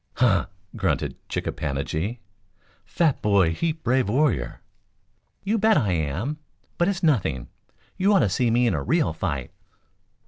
"Huh!" grunted Chick a pan a gi. "Fat boy heap brave warrior." "You bet I am. But it's nothing. You ought to see me in a real fight."